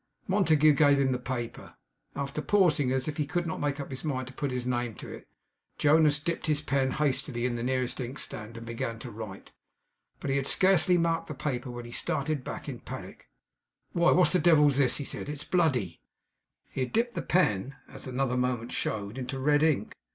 Montague gave him the paper. After pausing as if he could not make up his mind to put his name to it, Jonas dipped his pen hastily in the nearest inkstand, and began to write. But he had scarcely marked the paper when he started back, in a panic. 'Why, what the devil's this?' he said. 'It's bloody!' He had dipped the pen, as another moment showed, into red ink.